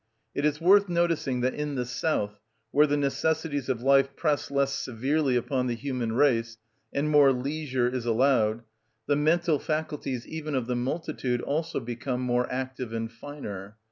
It is worth noticing that in the south, where the necessities of life press less severely upon the human race, and more leisure is allowed, the mental faculties even of the multitude also become more active and finer.